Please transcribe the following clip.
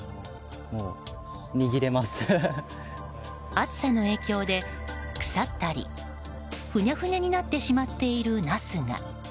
暑さの影響で腐ったり、ふにゃふにゃになってしまっているナスが。